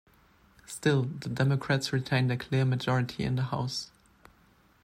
Still, the Democrats retained a clear majority in the House.